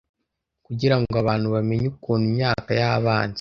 kugira ngo abantu bamenye ukuntu imyaka y'abanzi